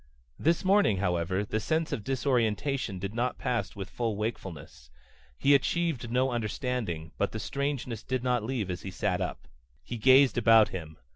This morning, however, the sense of disorientation did not pass with full wakefulness. He achieved no understanding, but the strangeness did not leave as he sat up. He gazed about him.